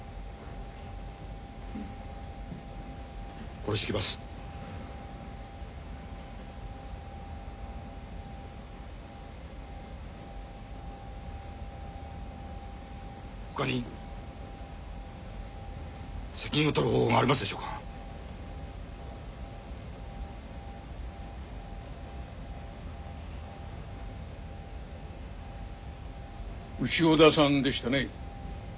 殺してきますほかに責任を取る方法がありますでしょうか潮田さんでしたね